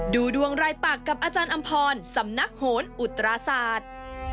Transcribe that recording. ดูดวงรายปากกับอาจารย์อำพรสำนักโหนอุตราศาสตร์